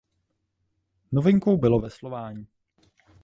Novinkou bylo veslování.